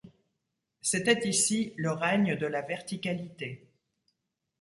C’était ici le règne de la verticalité.